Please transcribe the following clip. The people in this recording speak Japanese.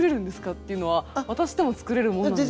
っていうのは私でも作れる物なんですか？